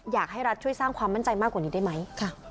อยากให้รัฐช่วยสร้างความมั่นใจมากกว่านี้ได้ไหม